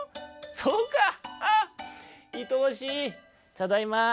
「ただいま」。